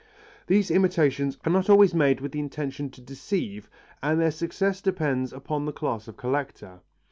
These imitations are not always made with the intention to deceive and their success depends upon the class of collector.